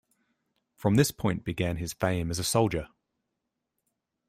From this point began his fame as a soldier.